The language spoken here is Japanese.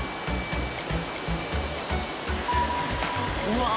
うわ！